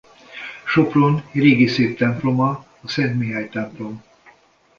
Sopron régi szép temploma a Szent Mihály-templom.